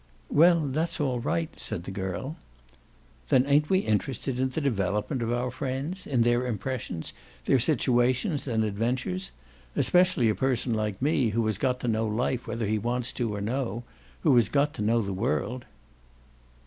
"Well, that's all right," said the girl. "Then ain't we interested in the development of our friends in their impressions, their situations and adventures? Especially a person like me, who has got to know life whether he wants to or no who has got to know the world."